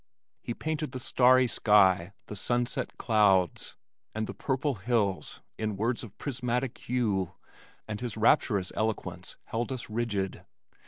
He painted the starry sky, the sunset clouds, and the purple hills in words of prismatic hue and his rapturous eloquence held us rigid.